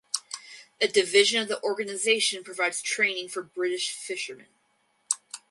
A division of the organisation provides training for British fishermen.